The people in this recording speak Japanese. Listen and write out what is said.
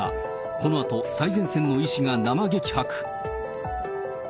このあと、最前線の医師が生激白。